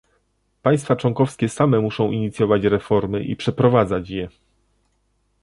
Państwa członkowskie same muszą inicjować reformy i przeprowadzać je